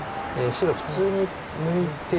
白普通に抜いてですね。